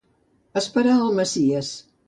Esperar el messies.